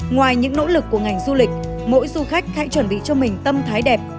ngoài những nỗ lực của ngành du lịch mỗi du khách hãy chuẩn bị cho mình tâm thái đẹp